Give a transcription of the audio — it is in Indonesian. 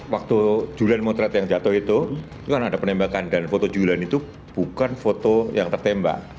waktu julian motret yang jatuh itu kan ada penembakan dan foto julian itu bukan foto yang tertembak